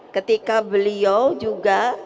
ketika beliau juga